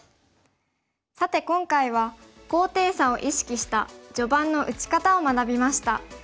さて今回は高低差を意識した序盤の打ち方を学びました。